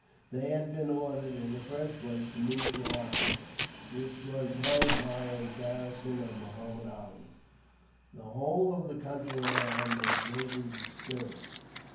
They had been ordered, in the first place, to move to Arcot, which was held by a garrison of Muhammud Ali. The whole of the country around was greatly disturbed.